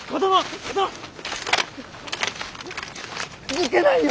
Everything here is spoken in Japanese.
抜けないよ。